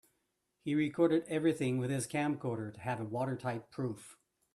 He recorded everything with his camcorder to have a watertight proof.